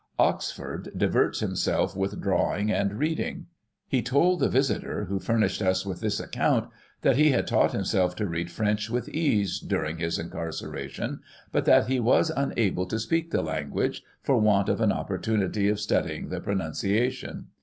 Oxford diverts himself with drawing and reading. He told the visitor, who furnished us with this account, that he had taught himself to read French with ease, during his incarceration, but that he was unable to speaJc the language, for want of an opportunity of studying the pronunciation.